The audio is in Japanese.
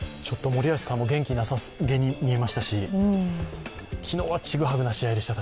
森保さんも元気なさげに見えましたし昨日はちぐはぐな試合でした、